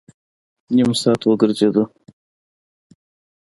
نیم ساعت وګرځېدو.